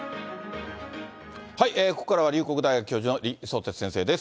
ここからは龍谷大学教授の李相哲先生です。